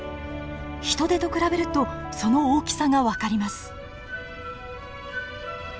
ヒトデと比べるとその大きさが分かります。